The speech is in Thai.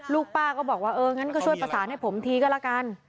ป้าก็บอกว่าเอองั้นก็ช่วยประสานให้ผมทีก็แล้วกัน